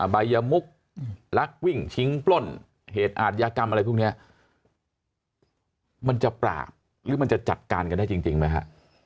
ใบยมุกลักวิ่งชิงปล้นเหตุอาทยากรรมอะไรพวกนี้มันจะปราบหรือมันจะจัดการกันได้จริงไหมฮะ